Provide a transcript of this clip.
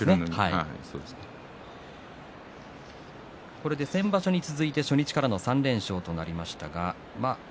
これで先場所に続いて初日からの３連勝となりました。